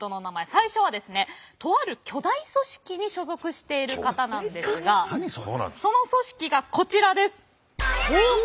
最初はですねとある巨大組織に所属している方なんですがその組織がこちらです。